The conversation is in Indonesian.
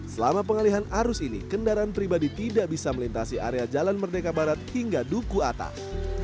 selama pengalihan arus ini kendaraan pribadi tidak bisa melintasi area jalan merdeka barat hingga duku atas